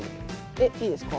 えっいいですか？